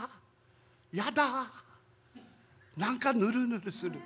やだ何かぬるぬるする。